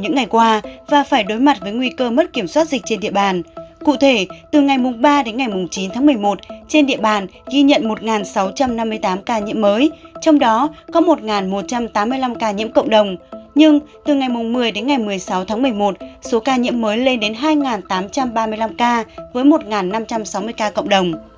nhưng từ ngày một mươi đến ngày một mươi sáu tháng một mươi một số ca nhiễm mới lên đến hai tám trăm ba mươi năm ca với một năm trăm sáu mươi ca cộng đồng